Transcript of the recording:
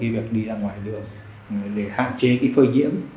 việc đi ra ngoài đường để hạn chế phơi nhiễm